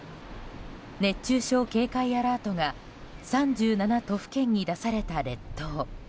熱中症警戒アラートが３７都府県に出された列島。